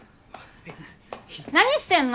何してんの？